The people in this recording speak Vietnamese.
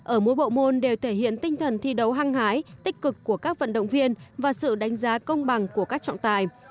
ở mỗi bộ môn đều thể hiện tinh thần thi đấu hăng hái tích cực của các vận động viên và sự đánh giá công bằng của các trọng tài